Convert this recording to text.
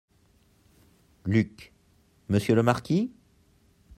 Luc - Monsieur le marquis ?